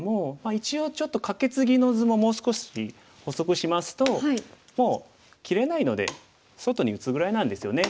一応ちょっとカケツギの図ももう少し補足しますともう切れないので外に打つぐらいなんですよね。